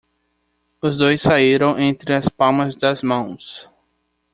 Os dois saíram entre as palmas das mãos.